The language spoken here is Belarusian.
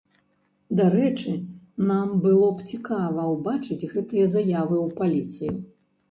Дарэчы, нам было б цікава ўбачыць гэтыя заявы ў паліцыю.